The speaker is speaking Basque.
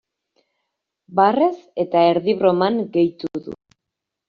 Barrez eta erdi broman gehitu du.